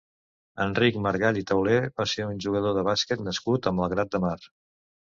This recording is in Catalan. Enric Margall i Tauler va ser un jugador de bàsquet nascut a Malgrat de Mar.